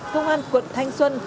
công an quận thanh xuân